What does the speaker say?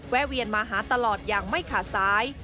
เวียนมาหาตลอดอย่างไม่ขาดสาย